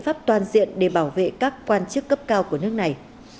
và đã thực hiện các biện pháp toàn diện để bảo vệ các quan chức cấp cao của nước này